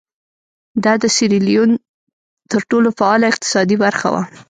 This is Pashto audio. دا د سیریلیون تر ټولو فعاله اقتصادي برخه وه.